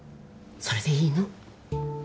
それでいいの？